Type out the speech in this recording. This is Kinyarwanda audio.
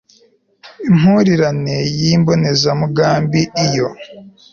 impurirane y imbonezamugambi iyo